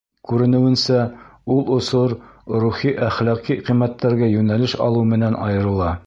Күренеүенсә, ул осор рухи-әхлаҡи ҡиммәттәргә йүнәлеш алыу менән айырыла.